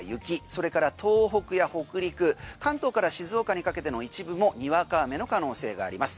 それから東北や北陸関東から静岡にかけての一部もにわか雨の可能性があります。